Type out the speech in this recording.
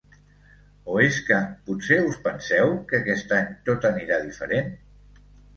O és que potser us penseu que aquest any tot anirà diferent?